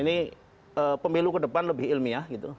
ini pemilu ke depan lebih ilmiah gitu